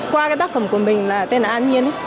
qua tác phẩm của mình tên là an nhiên